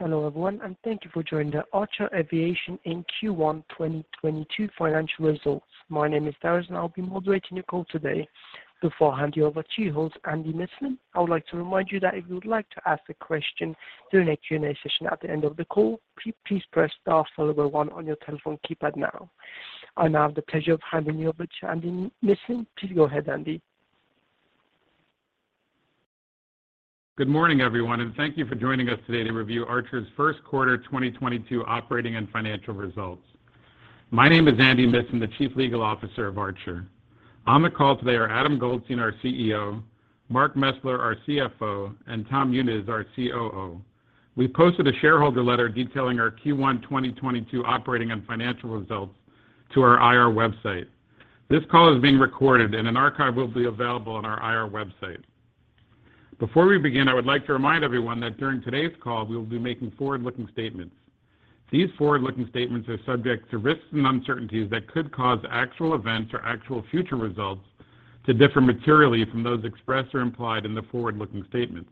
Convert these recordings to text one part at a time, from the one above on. Hello, everyone, and thank you for joining Archer Aviation's Q1 2022 Financial Results. My name is Darren, and I'll be moderating your call today. Before I hand you over to our hosts, Andy Missan, I would like to remind you that if you would like to ask a question during the Q&A session at the end of the call, please press star followed by one on your telephone keypad now. I now have the pleasure of handing you over to Andy Missan. Please go ahead, Andy. Good morning, everyone, and thank you for joining us today to review Archer's first quarter 2022 operating and financial results. My name is Andy Missan, the Chief Legal Officer of Archer. On the call today are Adam Goldstein, our CEO, Mark Mesler, our CFO, and Tom Muniz, our COO. We posted a shareholder letter detailing our Q1 2022 operating and financial results to our IR website. This call is being recorded and an archive will be available on our IR website. Before we begin, I would like to remind everyone that during today's call, we will be making forward-looking statements. These forward-looking statements are subject to risks and uncertainties that could cause actual events or actual future results to differ materially from those expressed or implied in the forward-looking statements.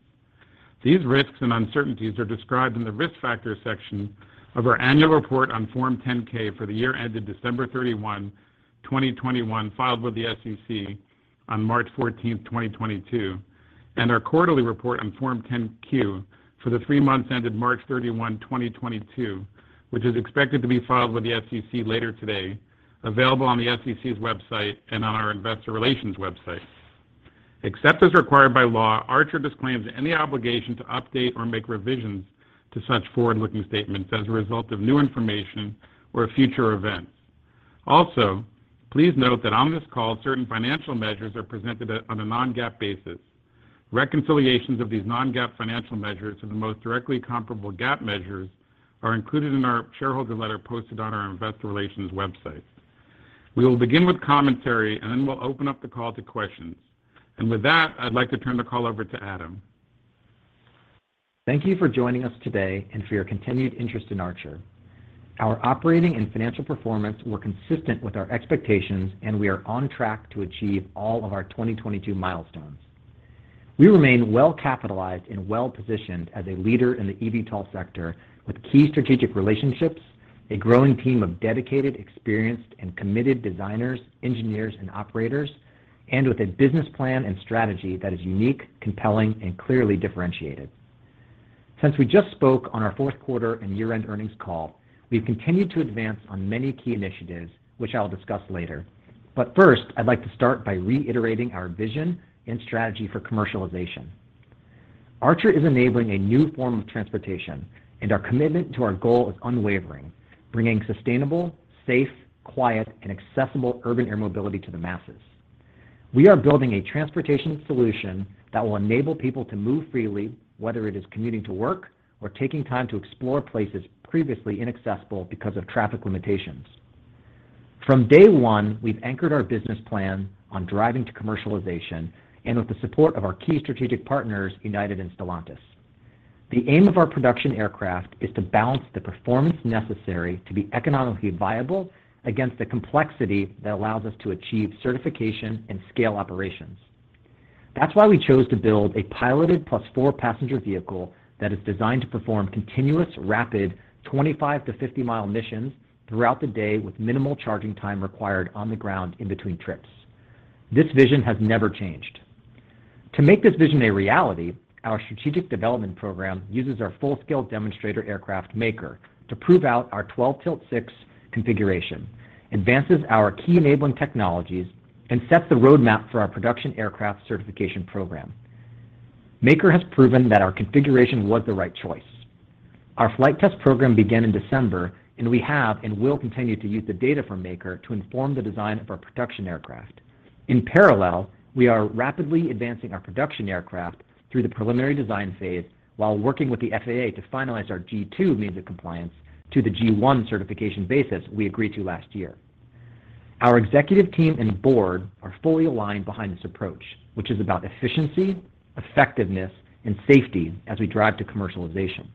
These risks and uncertainties are described in the Risk Factors section of our annual report on Form 10-K for the year ended December 31, 2021, filed with the SEC on March 14, 2022, and our quarterly report on Form 10-Q for the three months ended March 31, 2022, which is expected to be filed with the SEC later today, available on the SEC's website and on our investor relations website. Except as required by law, Archer disclaims any obligation to update or make revisions to such forward-looking statements as a result of new information or future events. Also, please note that on this call, certain financial measures are presented on a non-GAAP basis. Reconciliations of these non-GAAP financial measures to the most directly comparable GAAP measures are included in our shareholder letter posted on our investor relations website. We will begin with commentary and then we'll open up the call to questions. With that, I'd like to turn the call over to Adam. Thank you for joining us today and for your continued interest in Archer. Our operating and financial performance were consistent with our expectations, and we are on track to achieve all of our 2022 milestones. We remain well-capitalized and well-positioned as a leader in the EVTOL sector with key strategic relationships, a growing team of dedicated, experienced, and committed designers, engineers, and operators, and with a business plan and strategy that is unique, compelling, and clearly differentiated. Since we just spoke on our fourth quarter and year-end earnings call, we've continued to advance on many key initiatives which I'll discuss later. First, I'd like to start by reiterating our vision and strategy for commercialization. Archer is enabling a new form of transportation, and our commitment to our goal is unwavering, bringing sustainable, safe, quiet, and accessible urban air mobility to the masses. We are building a transportation solution that will enable people to move freely, whether it is commuting to work or taking time to explore places previously inaccessible because of traffic limitations. From day one, we've anchored our business plan on driving to commercialization and with the support of our key strategic partners, United and Stellantis. The aim of our production aircraft is to balance the performance necessary to be economically viable against the complexity that allows us to achieve certification and scale operations. That's why we chose to build a piloted plus four-passenger vehicle that is designed to perform continuous, rapid 25 to 50 mile missions throughout the day with minimal charging time required on the ground in between trips. This vision has never changed. To make this vision a reality, our strategic development program uses our full-scale demonstrator aircraft Maker to prove out our 12-tilt-6 configuration, advances our key enabling technologies, and sets the roadmap for our production aircraft certification program. Maker has proven that our configuration was the right choice. Our flight test program began in December, and we have and will continue to use the data from Maker to inform the design of our production aircraft. In parallel, we are rapidly advancing our production aircraft through the preliminary design phase while working with the FAA to finalize our G2 means of compliance to the G1 certification basis we agreed to last year. Our executive team and board are fully aligned behind this approach, which is about efficiency, effectiveness, and safety as we drive to commercialization.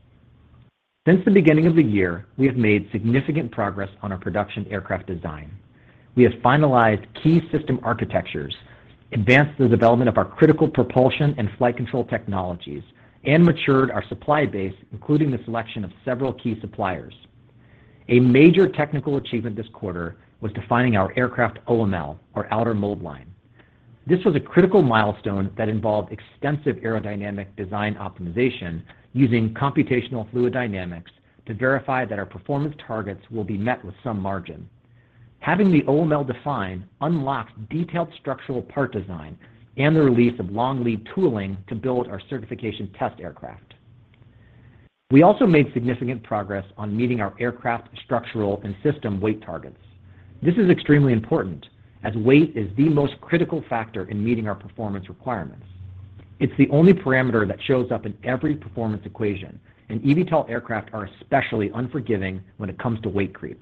Since the beginning of the year, we have made significant progress on our production aircraft design. We have finalized key system architectures, advanced the development of our critical propulsion and flight control technologies, and matured our supply base, including the selection of several key suppliers. A major technical achievement this quarter was defining our aircraft OML or outer mold line. This was a critical milestone that involved extensive aerodynamic design optimization using computational fluid dynamics to verify that our performance targets will be met with some margin. Having the OML defined unlocks detailed structural part design and the release of long lead tooling to build our certification test aircraft. We also made significant progress on meeting our aircraft structural and system weight targets. This is extremely important as weight is the most critical factor in meeting our performance requirements. It's the only parameter that shows up in every performance equation, and eVTOL aircraft are especially unforgiving when it comes to weight creep.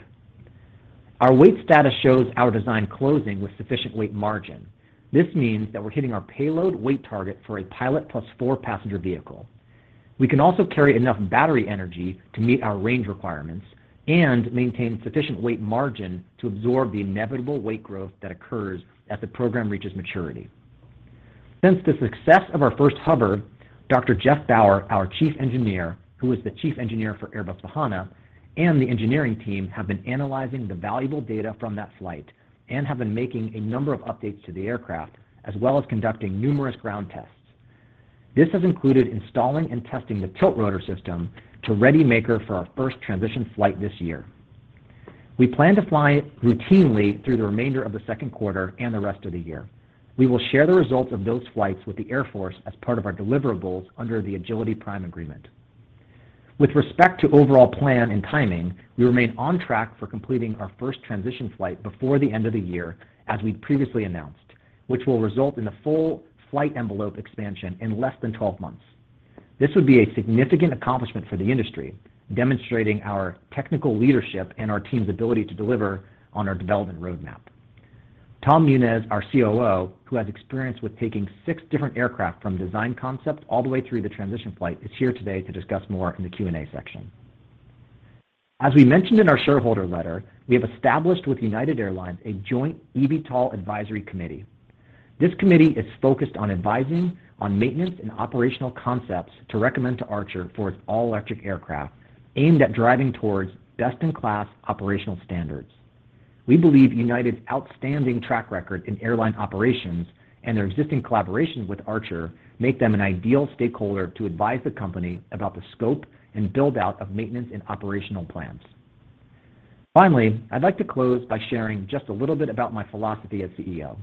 Our weight status shows our design closing with sufficient weight margin. This means that we're hitting our payload weight target for a pilot plus four-passenger vehicle. We can also carry enough battery energy to meet our range requirements and maintain sufficient weight margin to absorb the inevitable weight growth that occurs as the program reaches maturity. Since the success of our first hover, Dr. Geoff Bower, our Chief Engineer, who is the Chief Engineer for Airbus Vahana, and the engineering team have been analyzing the valuable data from that flight and have been making a number of updates to the aircraft, as well as conducting numerous ground tests. This has included installing and testing the tiltrotor system to ready Maker for our first transition flight this year. We plan to fly routinely through the remainder of the second quarter and the rest of the year. We will share the results of those flights with the Air Force as part of our deliverables under the Agility Prime agreement. With respect to overall plan and timing, we remain on track for completing our first transition flight before the end of the year, as we'd previously announced, which will result in a full flight envelope expansion in less than 12 months. This would be a significant accomplishment for the industry, demonstrating our technical leadership and our team's ability to deliver on our development roadmap. Tom Muniz, our COO, who has experience with taking six different aircraft from design concept all the way through the transition flight, is here today to discuss more in the Q&A section. As we mentioned in our shareholder letter, we have established with United Airlines a joint eVTOL advisory committee. This committee is focused on advising on maintenance and operational concepts to recommend to Archer for its all-electric aircraft aimed at driving towards best-in-class operational standards. We believe United's outstanding track record in airline operations and their existing collaboration with Archer make them an ideal stakeholder to advise the company about the scope and build-out of maintenance and operational plans. Finally, I'd like to close by sharing just a little bit about my philosophy as CEO.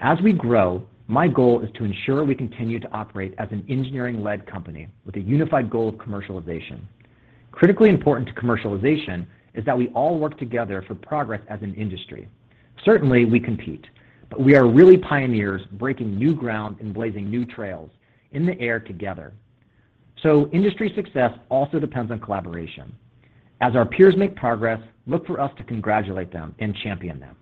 As we grow, my goal is to ensure we continue to operate as an engineering-led company with a unified goal of commercialization. Critically important to commercialization is that we all work together for progress as an industry. Certainly, we compete, but we are really pioneers breaking new ground and blazing new trails in the air together. Industry success also depends on collaboration. As our peers make progress, look for us to congratulate them and champion them.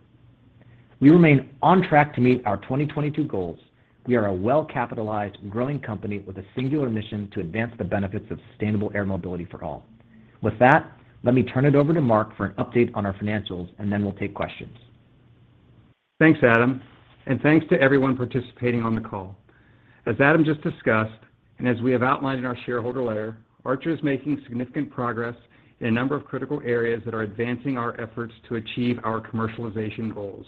We remain on track to meet our 2022 goals. We are a well-capitalized, growing company with a singular mission to advance the benefits of sustainable air mobility for all. With that, let me turn it over to Mark for an update on our financials, and then we'll take questions. Thanks, Adam, and thanks to everyone participating on the call. As Adam just discussed, and as we have outlined in our shareholder letter, Archer is making significant progress in a number of critical areas that are advancing our efforts to achieve our commercialization goals.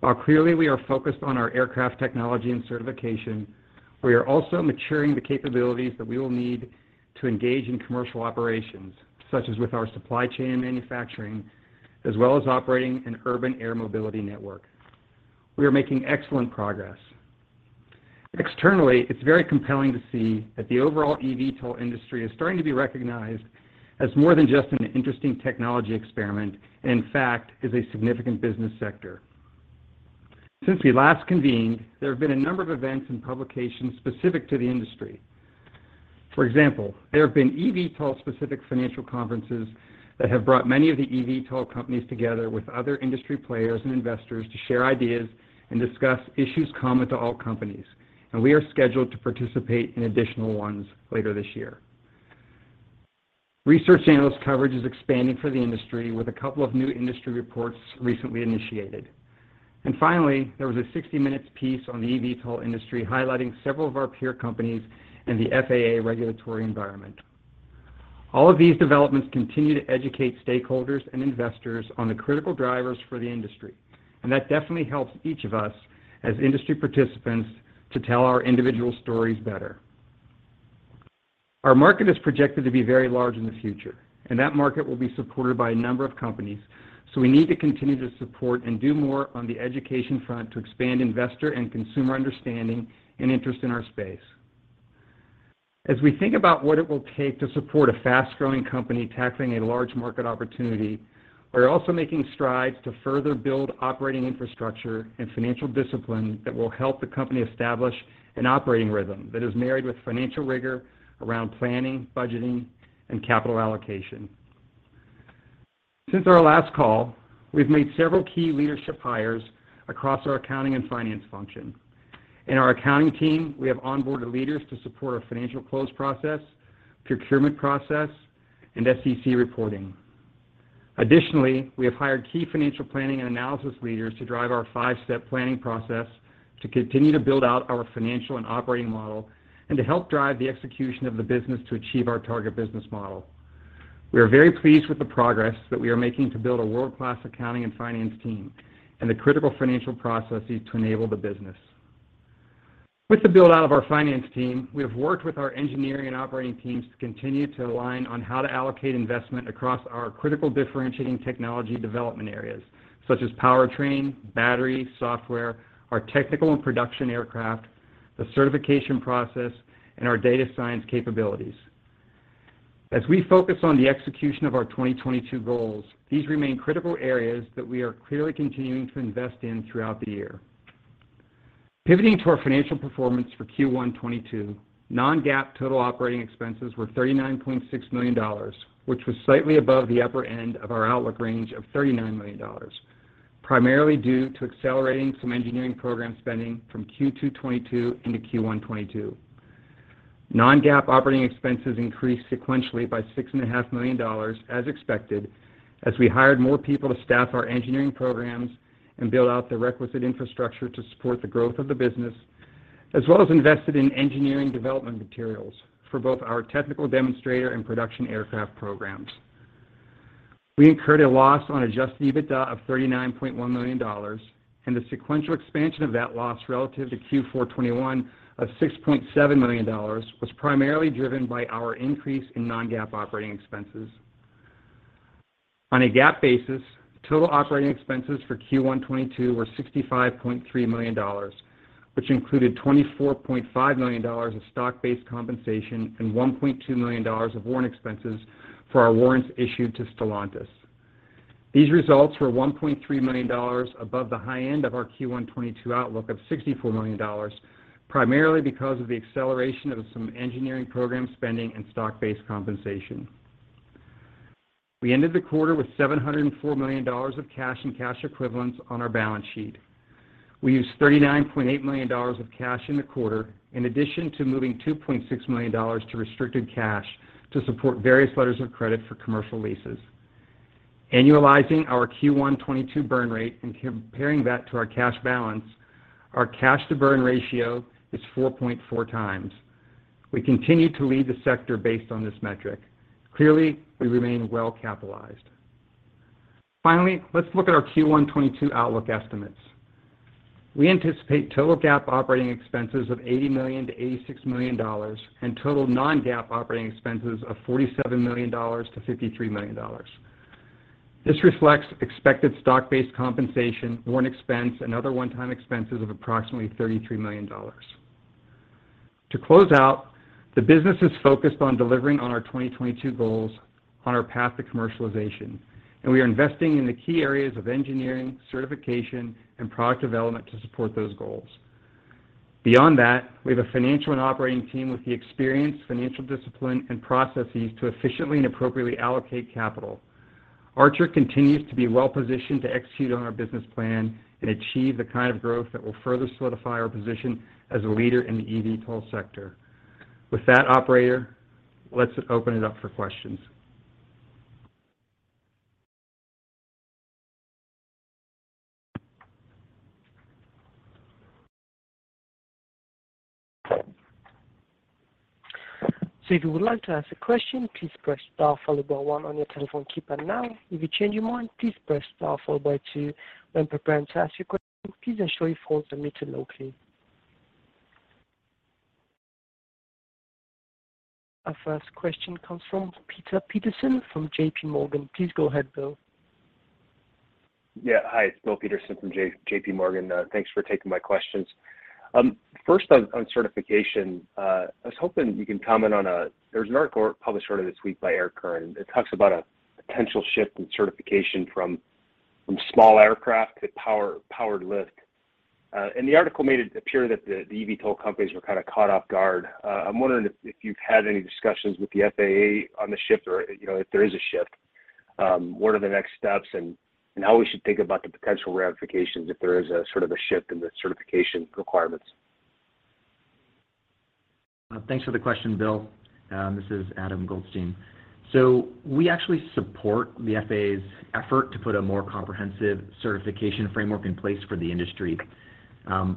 While clearly we are focused on our aircraft technology and certification, we are also maturing the capabilities that we will need to engage in commercial operations, such as with our supply chain and manufacturing, as well as operating an urban air mobility network. We are making excellent progress. Externally, it's very compelling to see that the overall eVTOL industry is starting to be recognized as more than just an interesting technology experiment, and in fact, is a significant business sector. Since we last convened, there have been a number of events and publications specific to the industry. For example, there have been eVTOL-specific financial conferences that have brought many of the eVTOL companies together with other industry players and investors to share ideas and discuss issues common to all companies. We are scheduled to participate in additional ones later this year. Research analyst coverage is expanding for the industry with a couple of new industry reports recently initiated. Finally, there was a 60 Minutes piece on the eVTOL industry highlighting several of our peer companies and the FAA regulatory environment. All of these developments continue to educate stakeholders and investors on the critical drivers for the industry. That definitely helps each of us as industry participants to tell our individual stories better. Our market is projected to be very large in the future, and that market will be supported by a number of companies, so we need to continue to support and do more on the education front to expand investor and consumer understanding and interest in our space. As we think about what it will take to support a fast-growing company tackling a large market opportunity, we're also making strides to further build operating infrastructure and financial discipline that will help the company establish an operating rhythm that is married with financial rigor around planning, budgeting, and capital allocation. Since our last call, we've made several key leadership hires across our accounting and finance function. In our accounting team, we have onboarded leaders to support our financial close process, procurement process, and SEC reporting. Additionally, we have hired key financial planning and analysis leaders to drive our five-step planning process to continue to build out our financial and operating model and to help drive the execution of the business to achieve our target business model. We are very pleased with the progress that we are making to build a world-class accounting and finance team and the critical financial processes to enable the business. With the build-out of our finance team, we have worked with our engineering and operating teams to continue to align on how to allocate investment across our critical differentiating technology development areas, such as powertrain, battery, software, our technical and production aircraft, the certification process, and our data science capabilities. As we focus on the execution of our 2022 goals, these remain critical areas that we are clearly continuing to invest in throughout the year. Pivoting to our financial performance for Q1 2022, non-GAAP total operating expenses were $39.6 million, which was slightly above the upper end of our outlook range of $39 million, primarily due to accelerating some engineering program spending from Q2 2022 into Q1 2022. Non-GAAP operating expenses increased sequentially by $6.5 million as expected, as we hired more people to staff our engineering programs and build out the requisite infrastructure to support the growth of the business, as well as invested in engineering development materials for both our technical demonstrator and production aircraft programs. We incurred a loss on adjusted EBITDA of $39.1 million, and the sequential expansion of that loss relative to Q4 2021 of $6.7 million was primarily driven by our increase in non-GAAP operating expenses. On a GAAP basis, total operating expenses for Q1 2022 were $65.3 million, which included $24.5 million of stock-based compensation and $1.2 million of warrant expenses for our warrants issued to Stellantis. These results were $1.3 million above the high end of our Q1 2022 outlook of $64 million, primarily because of the acceleration of some engineering program spending and stock-based compensation. We ended the quarter with $704 million of cash and cash equivalents on our balance sheet. We used $39.8 million of cash in the quarter in addition to moving $2.6 million to restricted cash to support various letters of credit for commercial leases. Annualizing our Q1 2022 burn rate and comparing that to our cash balance, our cash to burn ratio is 4.4 times. We continue to lead the sector based on this metric. Clearly, we remain well-capitalized. Finally, let's look at our Q1 2022 outlook estimates. We anticipate total GAAP operating expenses of $80 million-$86 million and total non-GAAP operating expenses of $47 million-$53 million. This reflects expected stock-based compensation, warrant expense, and other one-time expenses of approximately $33 million. To close out, the business is focused on delivering on our 2022 goals on our path to commercialization, and we are investing in the key areas of engineering, certification, and product development to support those goals. Beyond that, we have a financial and operating team with the experience, financial discipline, and processes to efficiently and appropriately allocate capital. Archer continues to be well positioned to execute on our business plan and achieve the kind of growth that will further solidify our position as a leader in the eVTOL sector. With that, operator, let's open it up for questions. If you would like to ask a question, please press star followed by one on your telephone keypad now. If you change your mind, please press star followed by two. When preparing to ask your question, please ensure your phone is muted locally. Our first question comes from Bill Peterson from J.P. Morgan. Please go ahead, Bill. Yeah. Hi, it's Bill Peterson from JPMorgan. Thanks for taking my questions. First on certification, I was hoping you can comment on. There's an article published earlier this week by The Air Current. It talks about a potential shift in certification from small aircraft to powered-lift. The article made it appear that the eVTOL companies were kind of caught off guard. I'm wondering if you've had any discussions with the FAA on the shift or, you know, if there is a shift, what are the next steps and how we should think about the potential ramifications if there is a sort of a shift in the certification requirements? Thanks for the question, Bill. This is Adam Goldstein. We actually support the FAA's effort to put a more comprehensive certification framework in place for the industry.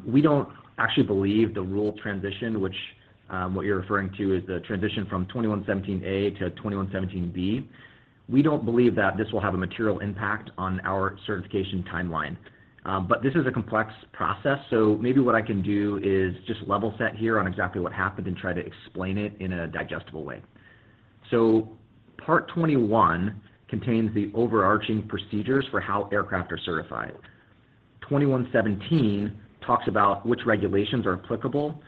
We don't actually believe the rule transition, which, what you're referring to is the transition from 21.17(a) to 21.17(b). We don't believe that this will have a material impact on our certification timeline. This is a complex process, so maybe what I can do is just level set here on exactly what happened and try to explain it in a digestible way. Part 21 contains the overarching procedures for how aircraft are certified. 21.17 talks about which regulations are applicable,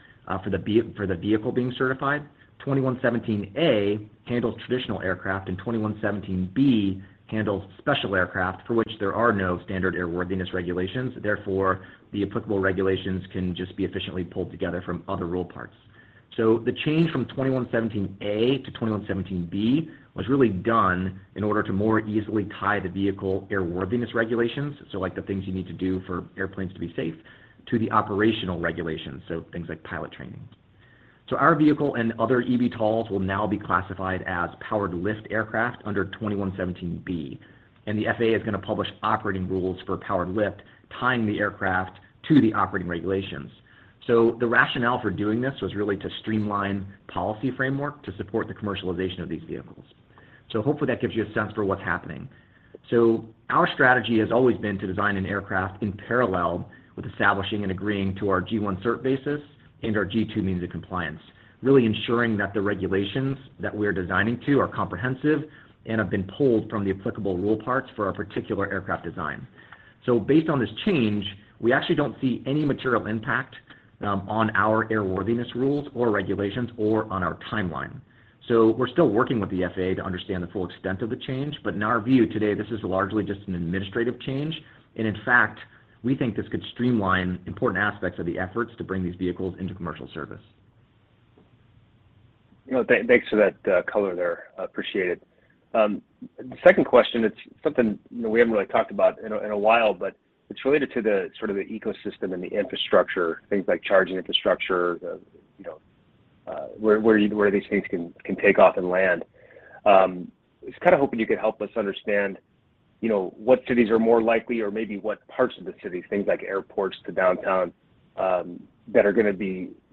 for the vehicle being certified. 21.17(a) handles traditional aircraft, and 21.17(b) handles special aircraft for which there are no standard airworthiness regulations. Therefore, the applicable regulations can just be efficiently pulled together from other rule parts. The change from Part 21.17(a) to Part 21.17(b) was really done in order to more easily tie the vehicle airworthiness regulations, so like the things you need to do for airplanes to be safe, to the operational regulations, so things like pilot training. Our vehicle and other eVTOLs will now be classified as powered-lift aircraft under Part 21.17(b), and the FAA is gonna publish operating rules for powered-lift, tying the aircraft to the operating regulations. The rationale for doing this was really to streamline policy framework to support the commercialization of these vehicles. Hopefully that gives you a sense for what's happening. Our strategy has always been to design an aircraft in parallel with establishing and agreeing to our G1 cert basis and our G2 means of compliance, really ensuring that the regulations that we're designing to are comprehensive and have been pulled from the applicable rule parts for our particular aircraft design. Based on this change, we actually don't see any material impact on our airworthiness rules or regulations or on our timeline. We're still working with the FAA to understand the full extent of the change, but in our view today, this is largely just an administrative change. In fact, we think this could streamline important aspects of the efforts to bring these vehicles into commercial service. You know, thanks for that color there. Appreciate it. The second question, it's something, you know, we haven't really talked about in a while, but it's related to sort of the ecosystem and the infrastructure, things like charging infrastructure, you know, where these things can take off and land. I was kind of hoping you could help us understand, you know, what cities are more likely or maybe what parts of the city, things like airports to downtown, that are gonna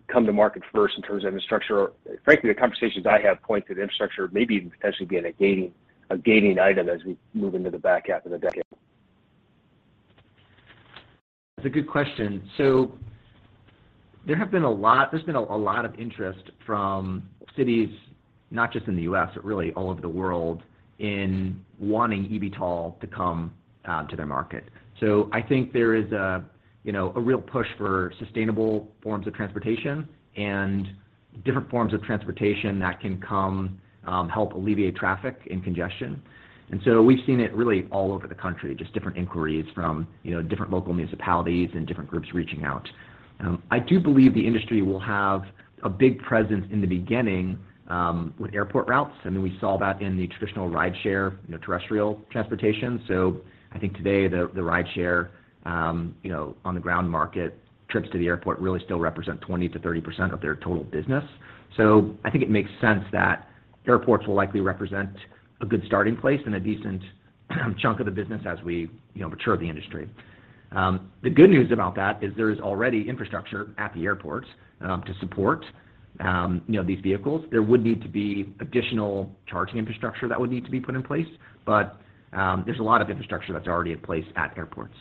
come to market first in terms of infrastructure. Frankly, the conversations I have point to the infrastructure maybe even potentially being a gaining item as we move into the back half of the decade. That's a good question. There's been a lot of interest from cities, not just in the U.S., but really all over the world in wanting eVTOL to come to their market. I think there is a you know a real push for sustainable forms of transportation and different forms of transportation that can come help alleviate traffic and congestion. We've seen it really all over the country, just different inquiries from you know different local municipalities and different groups reaching out. I do believe the industry will have a big presence in the beginning with airport routes. I mean, we saw that in the traditional rideshare you know terrestrial transportation. I think today, the rideshare, you know, on-the-ground market trips to the airport really still represent 20%-30% of their total business. I think it makes sense that airports will likely represent a good starting place and a decent chunk of the business as we, you know, mature the industry. The good news about that is there is already infrastructure at the airports, to support, you know, these vehicles. There would need to be additional charging infrastructure that would need to be put in place, but, there's a lot of infrastructure that's already in place at airports.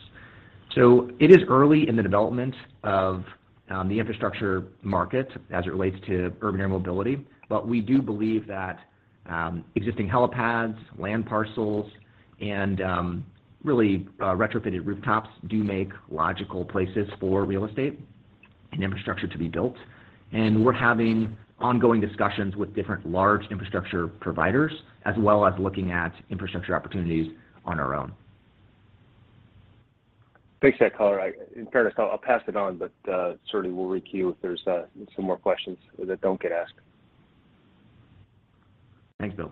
It is early in the development of the infrastructure market as it relates to urban air mobility, but we do believe that existing helipads, land parcels, and really retrofitted rooftops do make logical places for real estate and infrastructure to be built. We're having ongoing discussions with different large infrastructure providers, as well as looking at infrastructure opportunities on our own. Thanks for that color. In fairness, I'll pass it on, but certainly we'll requeue if there's some more questions that don't get asked. Thanks, Bill.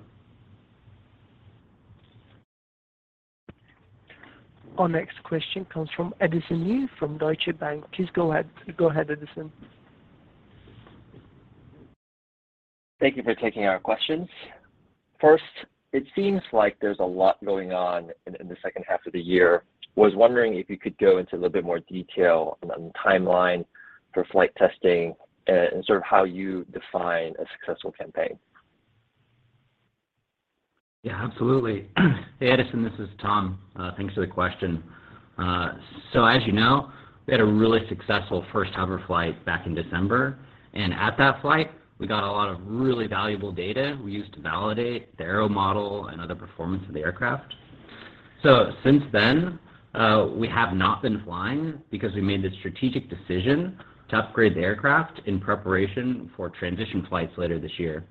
Our next question comes from Edison Yu from Deutsche Bank. Please go ahead. Go ahead, Edison. Thank you for taking our questions. First, it seems like there's a lot going on in the second half of the year. Was wondering if you could go into a little bit more detail on the timeline for flight testing and sort of how you define a successful campaign. Yeah, absolutely. Hey, Edison, this is Tom. Thanks for the question. As you know, we had a really successful first hover flight back in December. At that flight, we got a lot of really valuable data we used to validate the aero model and other performance of the aircraft. Since then, we have not been flying because we made the strategic decision to upgrade the aircraft in preparation for transition flights later this year.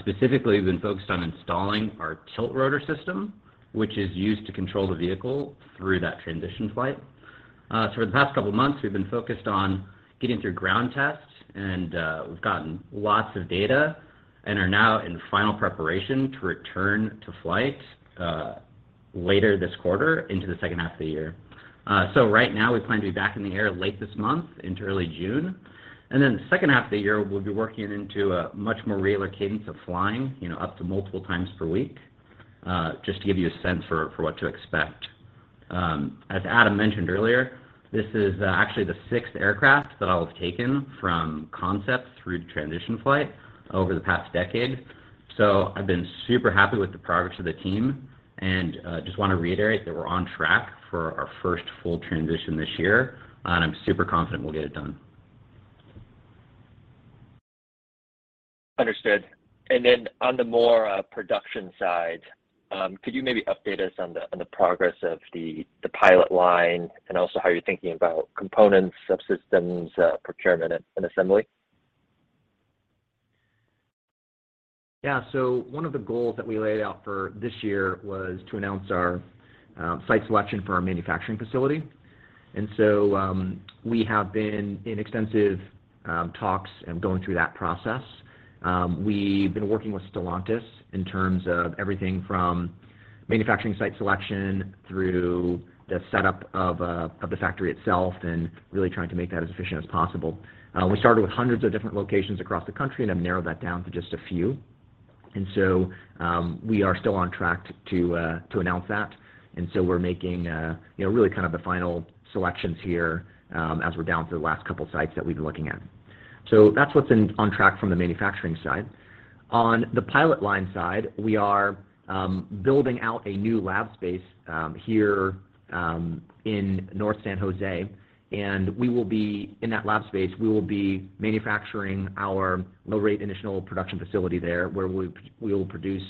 Specifically, we've been focused on installing our tiltrotor system, which is used to control the vehicle through that transition flight. For the past couple of months, we've been focused on getting through ground tests, and we've gotten lots of data and are now in final preparation to return to flight, later this quarter into the second half of the year. Right now we plan to be back in the air late this month into early June. Then the second half of the year, we'll be working into a much more regular cadence of flying, you know, up to multiple times per week, just to give you a sense for what to expect. As Adam mentioned earlier, this is actually the sixth aircraft that I'll have taken from concept through to transition flight over the past decade. I've been super happy with the progress of the team and just want to reiterate that we're on track for our first full transition this year, and I'm super confident we'll get it done. Understood. On the more production side, could you maybe update us on the progress of the pilot line and also how you're thinking about components, subsystems, procurement, and assembly? Yeah. One of the goals that we laid out for this year was to announce our site selection for our manufacturing facility. We have been in extensive talks and going through that process. We've been working with Stellantis in terms of everything from manufacturing site selection through the setup of the factory itself and really trying to make that as efficient as possible. We started with hundreds of different locations across the country, and have narrowed that down to just a few. We are still on track to announce that. We're making, you know, really kind of the final selections here as we're down to the last couple of sites that we've been looking at. That's what's on track from the manufacturing side. On the pilot line side, we are building out a new lab space here in North San Jose, and in that lab space, we will be manufacturing our low rate initial production facility there, where we will produce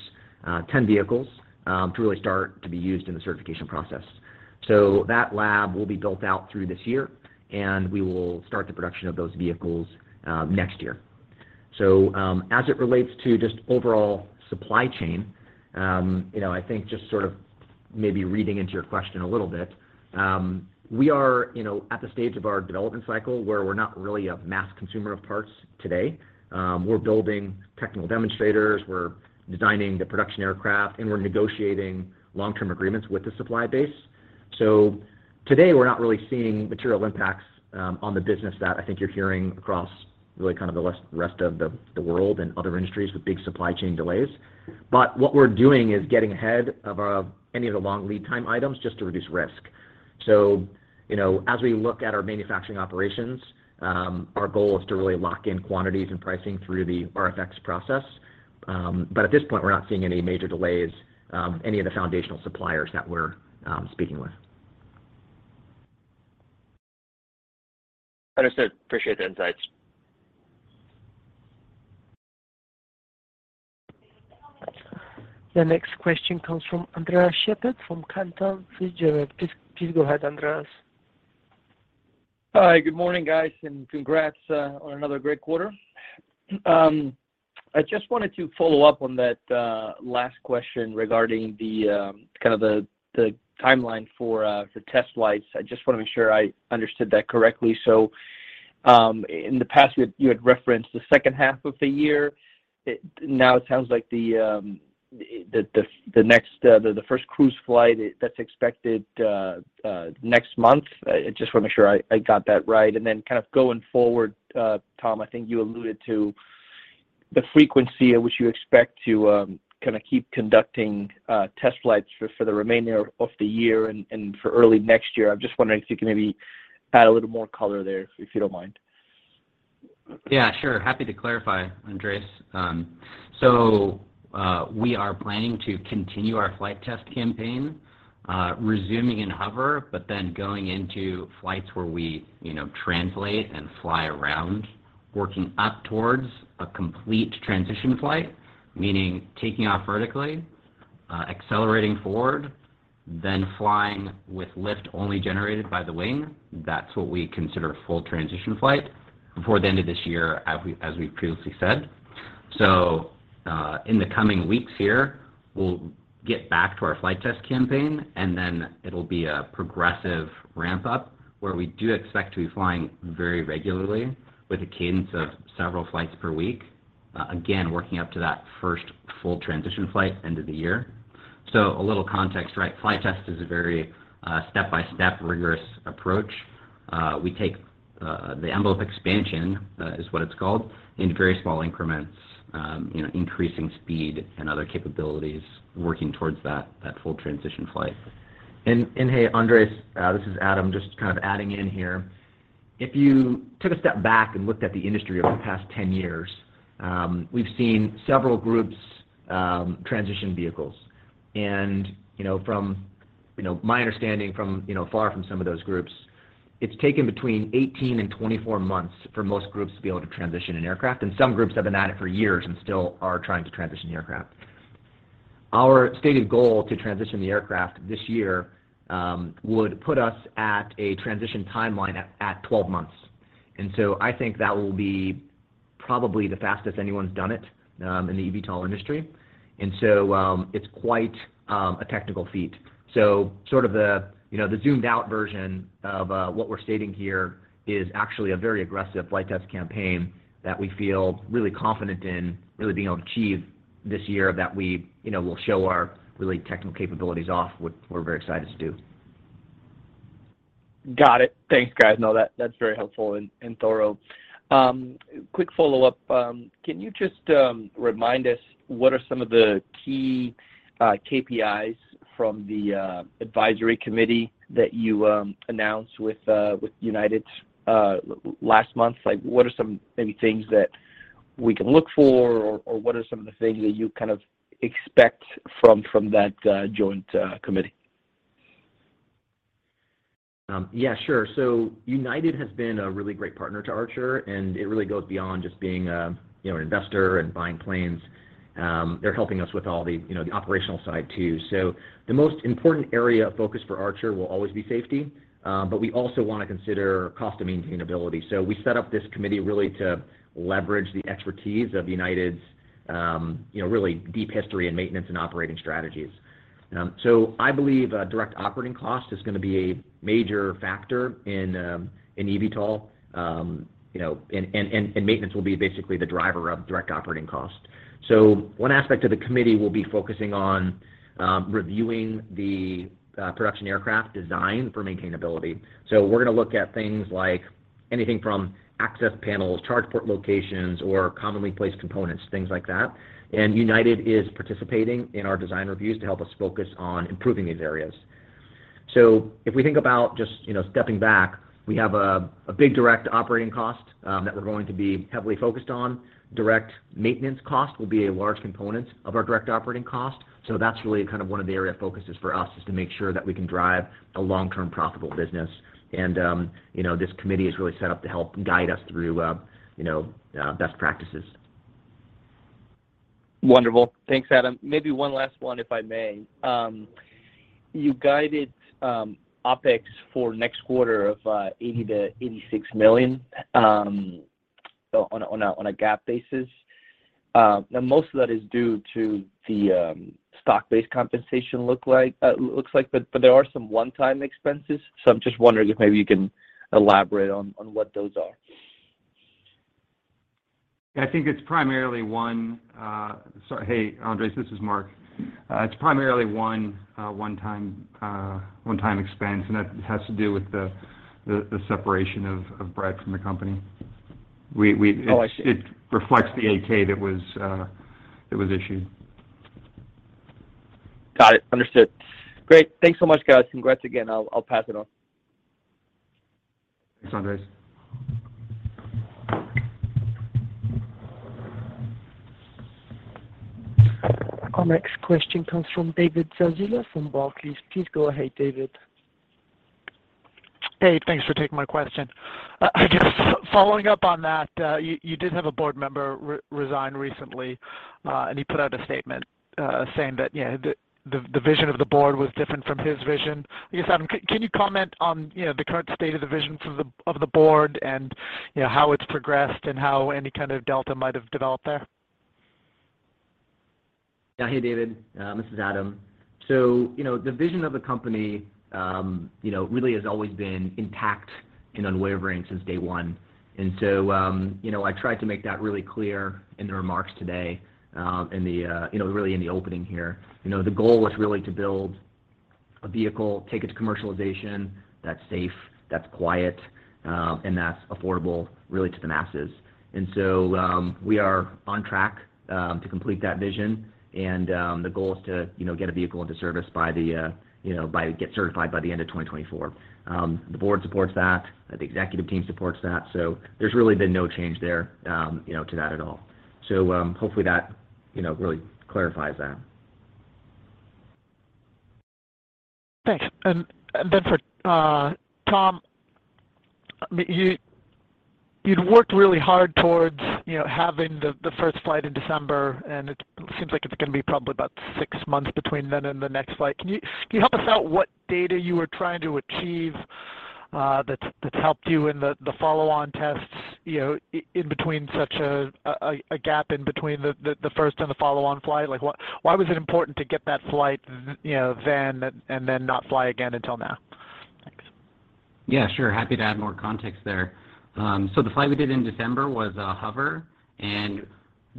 10 vehicles to really start to be used in the certification process. That lab will be built out through this year, and we will start the production of those vehicles next year. As it relates to just overall supply chain, you know, I think maybe reading into your question a little bit, we are, you know, at the stage of our development cycle where we're not really a mass consumer of parts today. We're building technical demonstrators, we're designing the production aircraft, and we're negotiating long-term agreements with the supply base. Today, we're not really seeing material impacts on the business that I think you're hearing across really kind of the rest of the world and other industries with big supply chain delays. What we're doing is getting ahead of any of the long lead time items just to reduce risk. You know, as we look at our manufacturing operations, our goal is to really lock in quantities and pricing through the RFX process. At this point, we're not seeing any major delays, any of the foundational suppliers that we're speaking with. Understood. Appreciate the insights. The next question comes from Andres Sheppard from Cantor Fitzgerald. Please, please go ahead, Andres. Hi. Good morning, guys, and congrats on another great quarter. I just wanted to follow up on that last question regarding the kind of the timeline for the test flights. I just wanna make sure I understood that correctly. In the past, you had referenced the second half of the year. Now it sounds like the first cruise flight that's expected next month. I just wanna make sure I got that right. Kind of going forward, Tom, I think you alluded to the frequency at which you expect to kinda keep conducting test flights for the remainder of the year and for early next year. I'm just wondering if you could maybe add a little more color there, if you don't mind. Yeah, sure. Happy to clarify, Andres. We are planning to continue our flight test campaign, resuming in hover, but then going into flights where we, you know, translate and fly around, working up towards a complete transition flight, meaning taking off vertically, accelerating forward, then flying with lift only generated by the wing. That's what we consider a full transition flight before the end of this year as we previously said. In the coming weeks here, we'll get back to our flight test campaign, and then it'll be a progressive ramp-up where we do expect to be flying very regularly with a cadence of several flights per week, again, working up to that first full transition flight end of the year. A little context, right? Flight test is a very step-by-step, rigorous approach. We take the envelope expansion is what it's called, in very small increments, you know, increasing speed and other capabilities working towards that full transition flight. Hey, Andres, this is Adam, just kind of adding in here. If you took a step back and looked at the industry over the past 10 years, we've seen several groups transition vehicles. From my understanding from afar with some of those groups, it's taken between 18 and 24 months for most groups to be able to transition an aircraft, and some groups have been at it for years and still are trying to transition the aircraft. Our stated goal to transition the aircraft this year would put us at a transition timeline at 12 months. I think that will be probably the fastest anyone's done it in the eVTOL industry. It's quite a technical feat. Sort of the, you know, the zoomed out version of what we're stating here is actually a very aggressive flight test campaign that we feel really confident in really being able to achieve this year that we, you know, will show our really technical capabilities off, which we're very excited to do. Got it. Thanks, guys. No, that's very helpful and thorough. Quick follow-up. Can you just remind us what are some of the key KPIs from the advisory committee that you announced with United last month? Like, what are some maybe things that we can look for or what are some of the things that you kind of expect from that joint committee? Yeah, sure. United has been a really great partner to Archer, and it really goes beyond just being, you know, an investor and buying planes. They're helping us with all the, you know, the operational side too. The most important area of focus for Archer will always be safety, but we also wanna consider cost of maintainability. We set up this committee really to leverage the expertise of United's, you know, really deep history in maintenance and operating strategies. I believe direct operating cost is gonna be a major factor in EVTOL. You know, and maintenance will be basically the driver of direct operating cost. One aspect of the committee will be focusing on reviewing the production aircraft design for maintainability. We're gonna look at things like anything from access panels, charge port locations, or commonly placed components, things like that. United is participating in our design reviews to help us focus on improving these areas. If we think about just, you know, stepping back, we have a big direct operating cost that we're going to be heavily focused on. Direct maintenance cost will be a large component of our direct operating cost. That's really kind of one of the area of focuses for us is to make sure that we can drive a long-term profitable business. You know, this committee is really set up to help guide us through, you know, best practices. Wonderful. Thanks, Adam. Maybe one last one, if I may. You guided OpEx for next quarter of $80 million-$86 million. On a GAAP basis, now most of that is due to the stock-based compensation looks like. There are some one-time expenses, so I'm just wondering if maybe you can elaborate on what those are. Sorry. Hey, Andres, this is Mark. It's primarily one-time expense and that has to do with the separation of Brett from the company. Oh, I see. It reflects the 8-K that was issued. Got it. Understood. Great. Thanks so much, guys. Congrats again. I'll pass it on. Thanks, Andres. Our next question comes from David Zazula from Barclays. Please go ahead, David. Hey, thanks for taking my question. I guess following up on that, you did have a board member resign recently, and he put out a statement, saying that, you know, the vision of the board was different from his vision. I guess, Adam, can you comment on, you know, the current state of the vision of the board and, you know, how it's progressed and how any kind of delta might have developed there? Yeah. Hey, David, this is Adam. You know, the vision of the company, you know, really has always been intact and unwavering since day one. You know, I tried to make that really clear in the remarks today, really in the opening here. You know, the goal was really to build a vehicle, take it to commercialization that's safe, that's quiet, and that's affordable really to the masses. We are on track to complete that vision. The goal is to, you know, get a vehicle into service by getting certified by the end of 2024. The board supports that, the executive team supports that, so there's really been no change there, you know, to that at all. Hopefully that, you know, really clarifies that. Thanks. Then for Tom, I mean, you'd worked really hard towards, you know, having the first flight in December, and it seems like it's going to be probably about six months between then and the next flight. Can you help us out what data you were trying to achieve, that's helped you in the follow-on tests, you know, in between such a gap in between the first and the follow-on flight? Like, what, why was it important to get that flight, you know, then and then not fly again until now? Thanks. Yeah, sure. Happy to add more context there. The flight we did in December was a hover and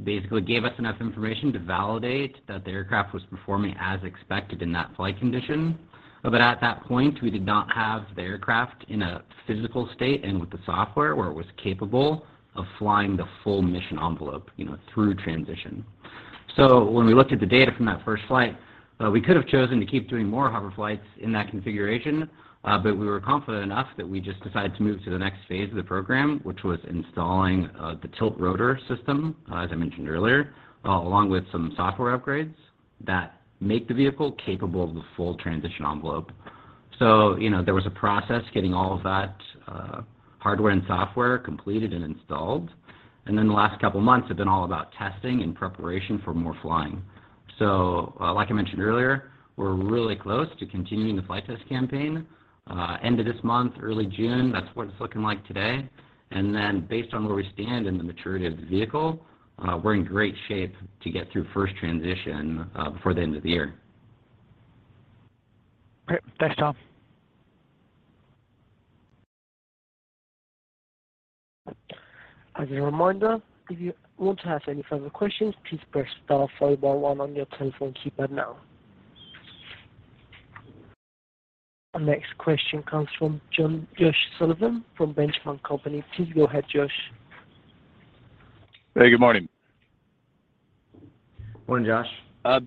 basically gave us enough information to validate that the aircraft was performing as expected in that flight condition. At that point, we did not have the aircraft in a physical state and with the software where it was capable of flying the full mission envelope, you know, through transition. When we looked at the data from that first flight, we could have chosen to keep doing more hover flights in that configuration, but we were confident enough that we just decided to move to the next phase of the program, which was installing the tiltrotor system, as I mentioned earlier, along with some software upgrades that make the vehicle capable of the full transition envelope. You know, there was a process getting all of that, hardware and software completed and installed. Then the last couple of months have been all about testing and preparation for more flying. Like I mentioned earlier, we're really close to continuing the flight test campaign. End of this month, early June, that's what it's looking like today. Based on where we stand in the maturity of the vehicle, we're in great shape to get through first transition, before the end of the year. Great. Thanks, Tom. As a reminder, if you want to ask any further questions, please press star followed by one on your telephone keypad now. Our next question comes from Josh Sullivan from Benchmark Company. Please go ahead, Josh. Hey, good morning. Morning, Josh.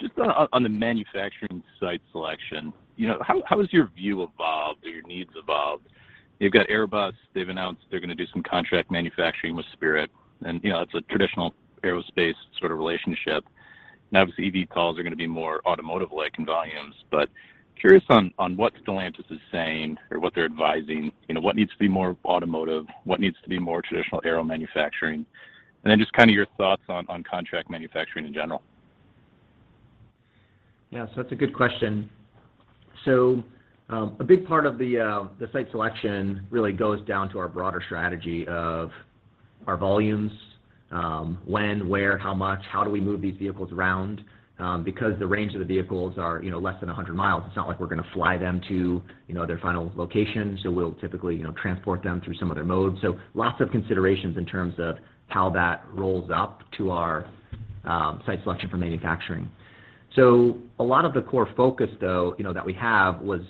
Just on the manufacturing site selection, you know, how has your view evolved or your needs evolved? You've got Airbus, they've announced they're going to do some contract manufacturing with Spirit and, you know, that's a traditional aerospace sort of relationship. Obviously, eVTOLs are going to be more automotive-like in volumes, but curious on what Stellantis is saying or what they're advising. You know, what needs to be more automotive, what needs to be more traditional aero manufacturing? Just kind of your thoughts on contract manufacturing in general. Yeah. That's a good question. A big part of the site selection really goes down to our broader strategy of our volumes, when, where, how much, how do we move these vehicles around? Because the range of the vehicles are, you know, less than 100 miles, it's not like we're going to fly them to, you know, their final location. We'll typically, you know, transport them through some other mode. Lots of considerations in terms of how that rolls up to our site selection for manufacturing. A lot of the core focus, though, you know, that we have was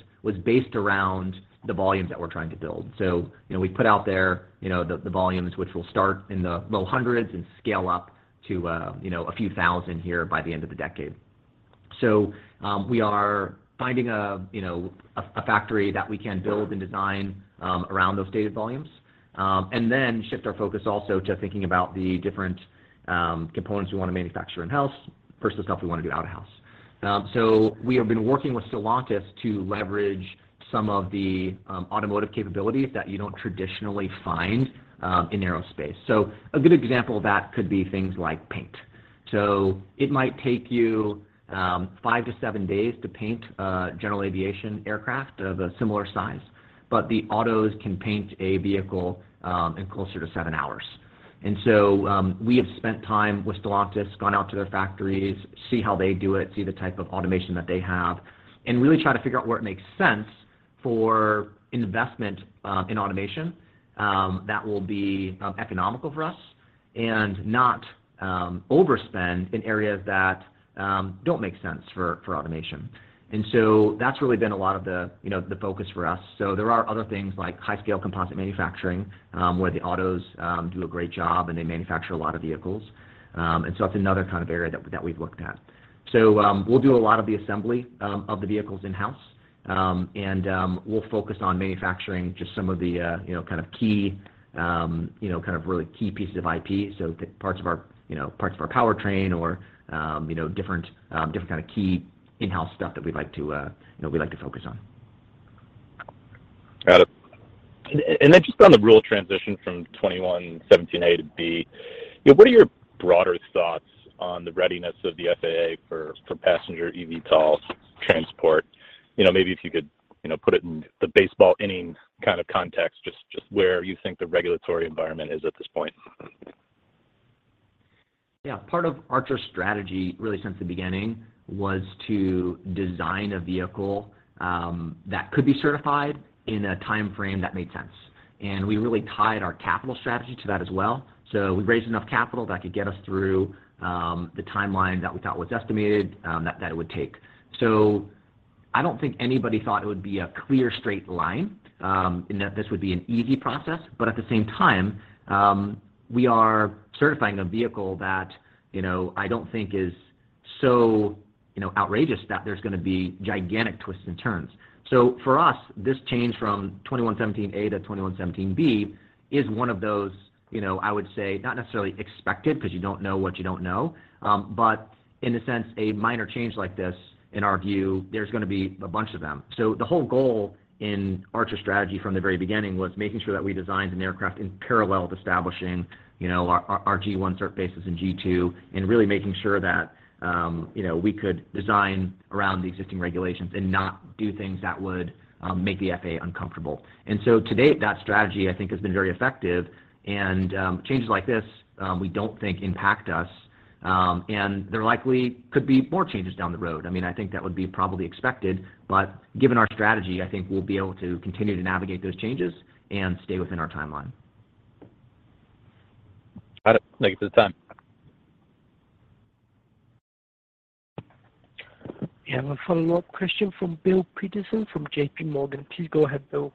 based around the volumes that we're trying to build. you know, we put out there, you know, the volumes which will start in the low hundreds and scale up to, you know, a few thousand here by the end of the decade. We are finding, you know, a factory that we can build and design around those volumes, and then shift our focus also to thinking about the different components we want to manufacture in-house versus stuff we want to do out-of-house. We have been working with Stellantis to leverage some of the automotive capabilities that you don't traditionally find in aerospace. A good example of that could be things like paint. It might take you five to seven days to paint a general aviation aircraft of a similar size, but the autos can paint a vehicle in closer to 7 hours. We have spent time with Stellantis, gone out to their factories, see how they do it, see the type of automation that they have, and really try to figure out where it makes sense for investment in automation that will be economical for us and not overspend in areas that don't make sense for automation. That's really been a lot of the, you know, the focus for us. There are other things like high-scale composite manufacturing, where the autos do a great job, and they manufacture a lot of vehicles. That's another kind of area that we've looked at. We'll do a lot of the assembly of the vehicles in-house, and we'll focus on manufacturing just some of the, you know, kind of key, you know, kind of really key pieces of IP, parts of our, you know, powertrain or, you know, different kind of key in-house stuff that we'd like to, you know, focus on. Got it. Just on the rule transition from 21.17(a) to (b), you know, what are your broader thoughts on the readiness of the FAA for passenger eVTOL transport? You know, maybe if you could, you know, put it in the baseball inning kind of context, just where you think the regulatory environment is at this point. Yeah. Part of Archer's strategy, really since the beginning, was to design a vehicle that could be certified in a timeframe that made sense. We really tied our capital strategy to that as well. We raised enough capital that could get us through the timeline that we thought was estimated that it would take. I don't think anybody thought it would be a clear straight line, and that this would be an easy process. At the same time, we are certifying a vehicle that, you know, I don't think is so, you know, outrageous that there's gonna be gigantic twists and turns. For us, this change from Part 21.17(a) to Part 21.17(b) is one of those, you know, I would say not necessarily expected because you don't know what you don't know, but in a sense, a minor change like this, in our view, there's gonna be a bunch of them. The whole goal in Archer's strategy from the very beginning was making sure that we designed an aircraft in parallel with establishing, you know, our G1 cert basis and G2, and really making sure that, you know, we could design around the existing regulations and not do things that would make the FAA uncomfortable. To date, that strategy I think has been very effective and, changes like this, we don't think impact us, and there likely could be more changes down the road. I mean, I think that would be probably expected, but given our strategy, I think we'll be able to continue to navigate those changes and stay within our timeline. Got it. Thank you for the time. We have a follow-up question from Bill Peterson from J.P. Morgan. Please go ahead, Bill.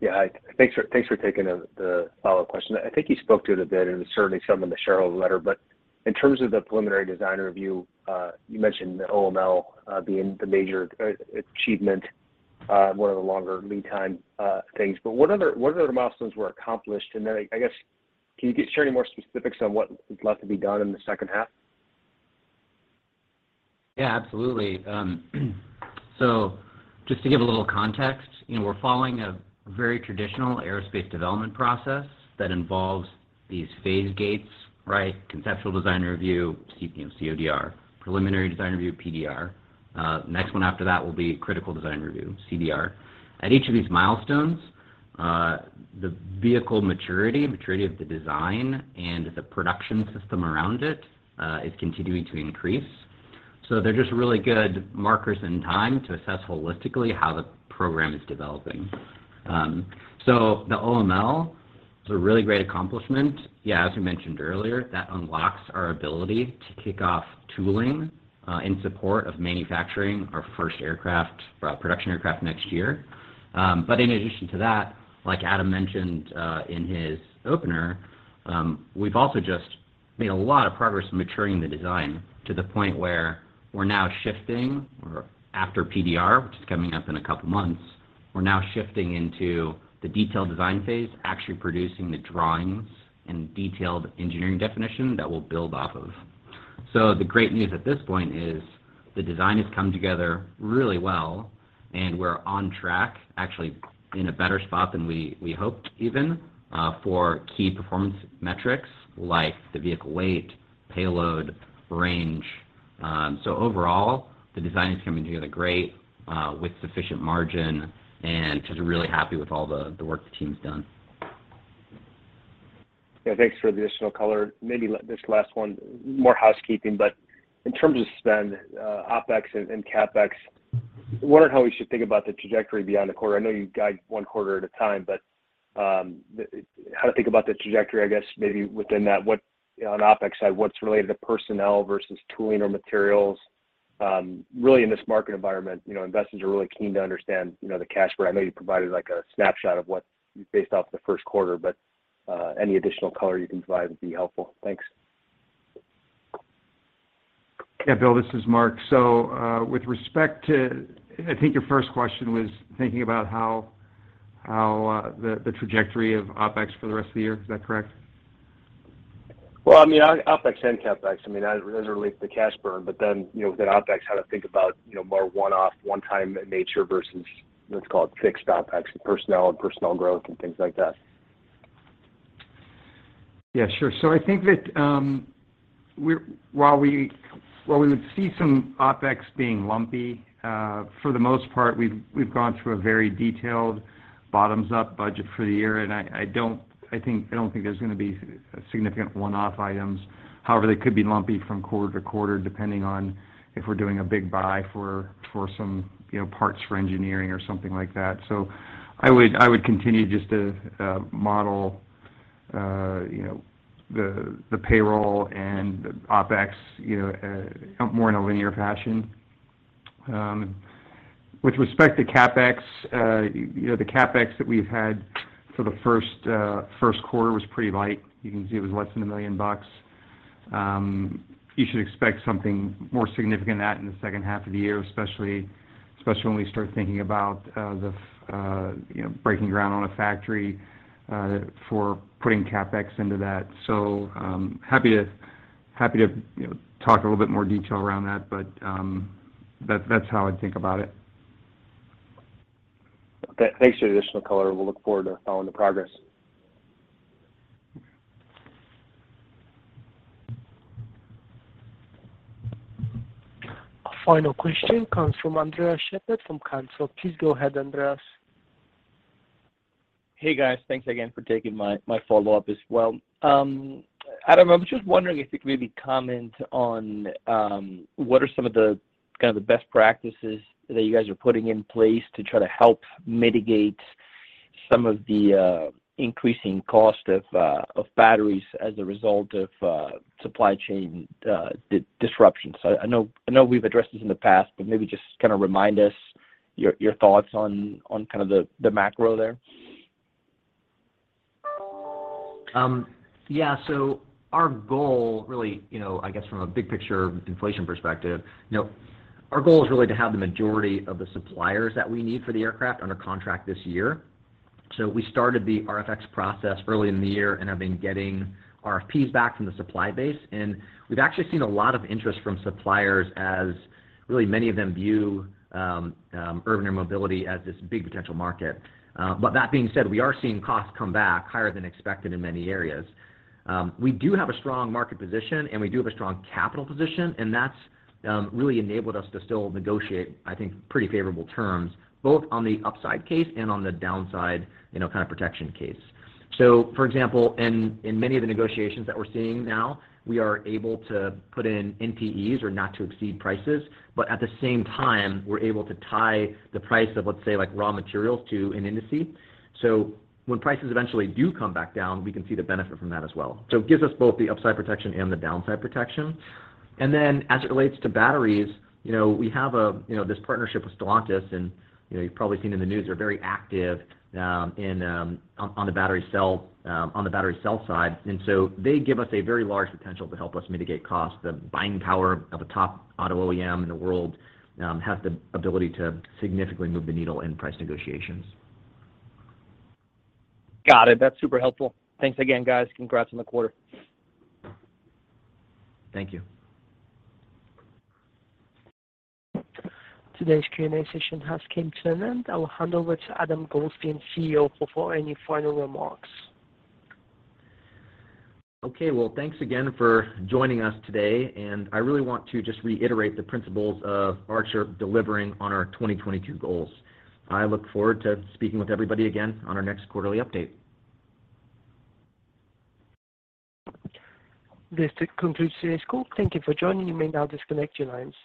Yeah. Thanks for taking the follow-up question. I think you spoke to it a bit, and it was certainly some in the shareholder letter, but in terms of the preliminary design review, you mentioned OML being the major achievement, one of the longer lead time things. What other milestones were accomplished? I guess, can you share any more specifics on what is left to be done in the second half? Yeah, absolutely. Just to give a little context, you know, we're following a very traditional aerospace development process that involves these phase gates, right? Conceptual Design Review, you know, CDR, Preliminary Design Review, PDR. Next one after that will be Critical Design Review, CDR. At each of these milestones, the vehicle maturity of the design and the production system around it is continuing to increase. They're just really good markers in time to assess holistically how the program is developing. The OML is a really great accomplishment. Yeah, as we mentioned earlier, that unlocks our ability to kick off tooling in support of manufacturing our first aircraft, production aircraft next year. In addition to that, like Adam mentioned, in his opener, we've also just made a lot of progress in maturing the design to the point where we're now shifting or after PDR, which is coming up in a couple months, we're now shifting into the detailed design phase, actually producing the drawings and detailed engineering definition that we'll build off of. The great news at this point is the design has come together really well, and we're on track, actually in a better spot than we hoped even, for key performance metrics like the vehicle weight, payload, range. Overall, the design is coming together great, with sufficient margin and just really happy with all the work the team's done. Yeah. Thanks for the additional color. Maybe just last one, more housekeeping, but in terms of spend, OpEx and CapEx, wondering how we should think about the trajectory beyond the quarter. I know you guide one quarter at a time, but how to think about the trajectory, I guess maybe within that, on OpEx side, what's related to personnel versus tooling or materials. Really in this market environment, you know, investors are really keen to understand, you know, the cash burn. I know you provided like a snapshot of what based off the first quarter, but any additional color you can provide would be helpful. Thanks. Yeah, Bill, this is Mark. With respect to, I think your first question was thinking about how the trajectory of OpEx for the rest of the year. Is that correct? Well, I mean, OpEx and CapEx. I mean, as it relates to cash burn, but then, you know, with the OpEx, how to think about, you know, more one-off, one-time nature versus, let's call it, fixed OpEx, personnel and personnel growth and things like that. Yeah, sure. I think that while we would see some OpEx being lumpy, for the most part, we've gone through a very detailed bottoms-up budget for the year, and I don't think there's gonna be significant one-off items. However, they could be lumpy from quarter to quarter, depending on if we're doing a big buy for some, you know, parts for engineering or something like that. I would continue just to model, you know, the payroll and OpEx, you know, more in a linear fashion. With respect to CapEx, you know, the CapEx that we've had for the first quarter was pretty light. You can see it was less than $1 million. You should expect something more significant than that in the second half of the year, especially when we start thinking about, you know, breaking ground on a factory for putting CapEx into that. Happy to, you know, talk a little bit more detail around that, but that's how I'd think about it. Thanks for the additional color. We'll look forward to following the progress. Our final question comes from Andres Sheppard from Cantor Fitzgerald. Please go ahead, Andres. Hey, guys. Thanks again for taking my follow-up as well. Adam, I'm just wondering if you could maybe comment on what are some of the kind of the best practices that you guys are putting in place to try to help mitigate some of the increasing cost of batteries as a result of supply chain disruptions. I know we've addressed this in the past, but maybe just kinda remind us your thoughts on kind of the macro there. Yeah. Our goal really, you know, I guess from a big picture inflation perspective, you know, our goal is really to have the majority of the suppliers that we need for the aircraft under contract this year. We started the RFX process early in the year and have been getting RFPs back from the supply base. We've actually seen a lot of interest from suppliers as really many of them view urban air mobility as this big potential market. But that being said, we are seeing costs come back higher than expected in many areas. We do have a strong market position, and we do have a strong capital position, and that's really enabled us to still negotiate, I think, pretty favorable terms, both on the upside case and on the downside, you know, kinda protection case. For example, in many of the negotiations that we're seeing now, we are able to put in NTEs or not to exceed prices. At the same time, we're able to tie the price of, let's say, like, raw materials to an index. When prices eventually do come back down, we can see the benefit from that as well. It gives us both the upside protection and the downside protection. Then as it relates to batteries, you know, we have, you know, this partnership with Stellantis, and, you know, you've probably seen in the news they're very active on the battery cell side. They give us a very large potential to help us mitigate costs. The buying power of a top auto OEM in the world has the ability to significantly move the needle in price negotiations. Got it. That's super helpful. Thanks again, guys. Congrats on the quarter. Thank you. Today's Q&A session has come to an end. I will hand over to Adam Goldstein, CEO, for any final remarks. Okay. Well, thanks again for joining us today, and I really want to just reiterate the principles of Archer delivering on our 2022 goals. I look forward to speaking with everybody again on our next quarterly update. This concludes today's call. Thank you for joining. You may now disconnect your lines.